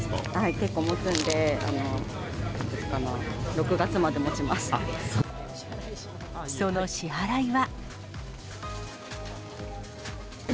結構もつんで、いつかな、その支払いは。